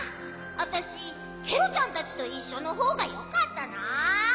あたしケロちゃんたちといっしょのほうがよかったな。